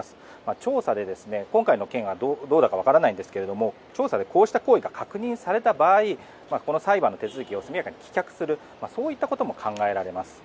調査で、今回の件がどうだか分かりませんが調査でこうした行為が確認された場合この裁判の手続きを速やかに棄却するということも考えられます。